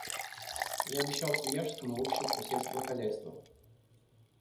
Я обещал Свияжскому в Общество сельского хозяйства.